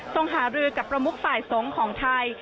ทรงหารือกับประมุขฝ่ายทรงของไทย